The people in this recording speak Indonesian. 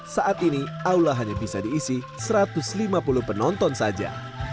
saat ini aula hanya bisa diisi satu ratus lima puluh penonton saja